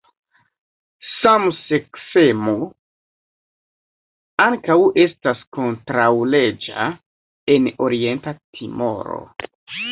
Samseksemo ankaŭ estas kontraŭleĝa en Orienta Timoro.